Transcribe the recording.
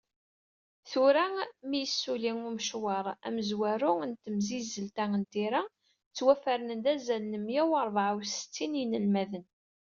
Tura, mi yessuli umecwar amezwaru n temsizzelt-a n tira, ttwafernen-d azal n mya u rebεa u settinn yinelmaden.